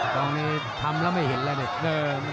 ตอนนี้ทำแล้วไม่เห็นแล้วเด็กเดิน